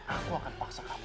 aku akan paksa kamu